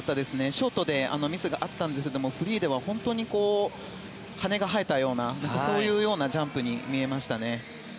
ショートでミスがあったんですがフリーでは本当に羽が生えたようなそういうジャンプに見えました。